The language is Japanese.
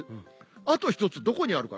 あと１つどこにあるかな？